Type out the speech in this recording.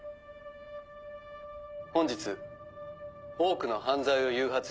本日多くの犯罪を誘発している。